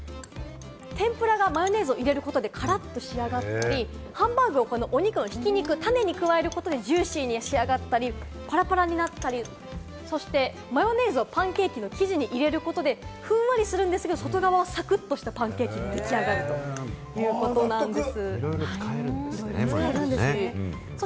天ぷらがマヨネーズを入れることでからっと仕上がったり、ハンバーグをお肉の挽き肉に加えることでジューシーに仕上がったり、パラパラになったり、そしてマヨネーズをパンケーキの生地に入れることで、ふんわりするんですけれども外側はさくっとしたパンケーキに出来上がるということなんです。